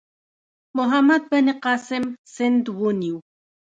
محمد بن قاسم سند ونیو.